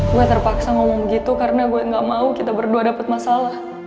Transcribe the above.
gue terpaksa ngomong gitu karena gue gak mau kita berdua dapat masalah